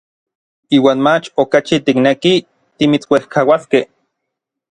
Iuan mach okachi tiknekij timitsuejkauaskej.